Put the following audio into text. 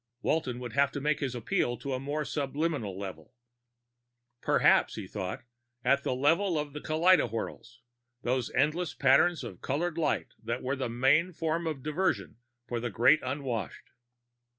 Walton would have to make his appeal to a more subliminal level. Perhaps, he thought, at the level of the kaleidowhirls, those endless patterns of colored light that were the main form of diversion for the Great Unwashed.